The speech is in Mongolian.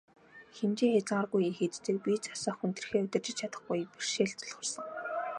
Хэмжээ хязгааргүй их иддэг, бие засах, хүндрэхээ удирдаж чадахгүй бэрхшээл тулгарсан.